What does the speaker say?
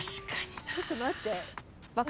ちょっと待って。